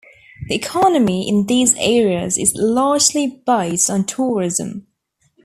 The economy in these areas is largely based on tourism.